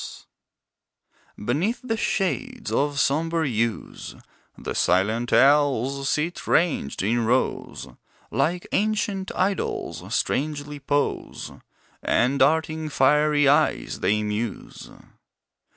Owls Beneath the shades of sombre yews, The silent owls sit ranged in rows, Like ancient idols, strangely pose, And darting fiery eyes, they muse.